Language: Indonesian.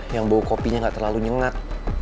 yang bau kopinya nggak terlalu nyengat